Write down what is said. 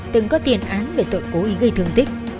từng có tiền án về tội cố ý gây thương tích